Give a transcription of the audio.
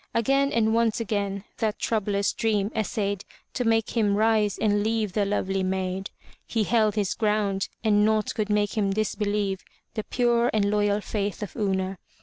Again and once again that troublous dream essayed to make him rise and leave the lovely maid. He held his ground and nought could make him disbelieve the pure and loyal faith of Una.